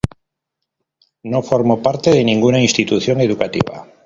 No forma parte de ninguna institución educativa.